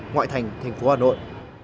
ngoại thành thành phố hà nội